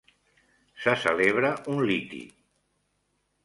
Se celebra un liti.